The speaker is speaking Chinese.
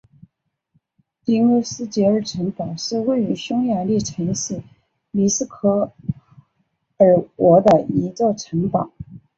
迪欧斯捷尔城堡是位于匈牙利城市米什科尔茨的一座城堡。